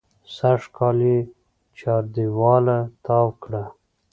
سږکال یې چاردېواله تاو کړه.